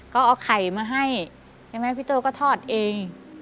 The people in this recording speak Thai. ก็เอาไข่มาให้พี่โต๊ะก็ทอดเอง